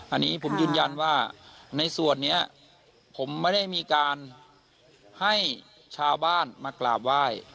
อันนี้ผมยืนยันว่าในส่วนนี้ผมไม่ได้มีการให้ชาวบ้านมากราบไหว้